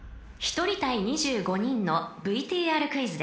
［１人対２５人のＶＴＲクイズです］